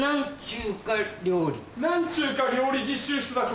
なんちゅうか料理実習室だここ。